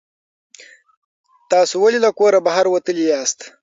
تاسو ولې له کوره بهر وتلي یاست؟